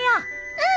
うん。